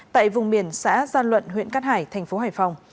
tại vùng biển xã gian luận huyện cát hải thành phố hải phòng